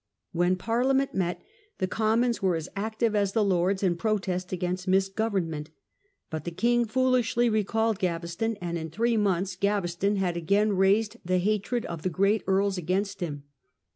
When Parliament met, the Commons were as active as the Lords in protest against misgovemment, But the king foolishly recalled Gaveston, and in three months Gaveston had again raised the hatred of the great earls against him.